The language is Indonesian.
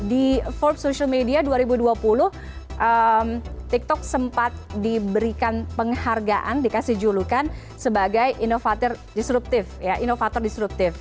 di forbes social media dua ribu dua puluh tiktok sempat diberikan penghargaan dikasih julukan sebagai inovatif ya inovator disruptif